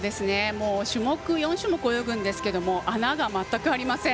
４種目泳ぐんですけども穴が全くありません。